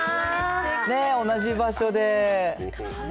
同じ場所で。